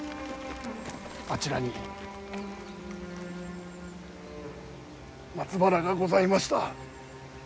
あちらに松原がございました。